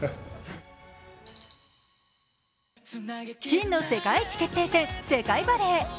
真の世界一決定戦・世界バレー。